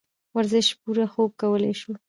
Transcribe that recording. ورزش او پوره خوب کولے شو -